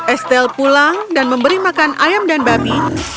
estel pulang dan memberi makan ayam dan babi